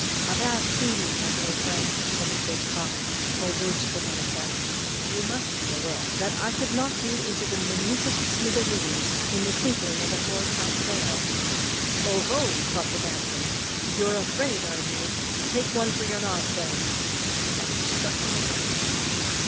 "Avast heaving, my little friend," said the big cock, or words to that effect; "you must be aware that I could knock you into the minutest smithereens in the twinkling of a foretop sail." "Oho!" thought the bantam, "you're afraid, are you; take one for your nob, then," and he struck him again.